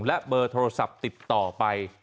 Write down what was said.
และเบอร์โทรศัพท์ติดต่อไป